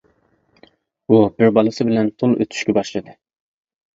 ئۇ بىر بالىسى بىلەن تۇل ئۆتۈشكە باشلىدى.